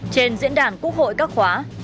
trên diễn đàn quốc hội các khóa